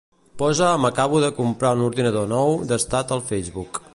Posa "m'acabo de comprar un ordinador nou" d'estat al Facebook.